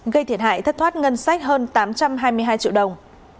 gây thiệt hại thất thoát ngân sách hơn tám trăm hai mươi hai triệu đồng